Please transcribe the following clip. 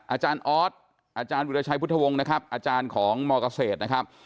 อาจารย์ออสอาจารย์วิราชัยพุทธวงศ์นะครับอาจารย์ของมเกษตรนะครับ